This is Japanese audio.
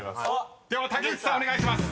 では武内さんお願いします］